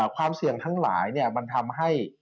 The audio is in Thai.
ความเสี่ยงทั้งหลายมันทำให้